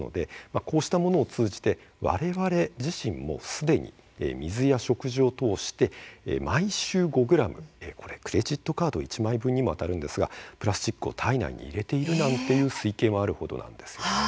こうしたものを通じてわれわれ自身もすでに水や食事を通してすでに毎週５ｇのクレジットカード１枚分にも当たるプラスチックを体内に入れているという推計もあるほどです。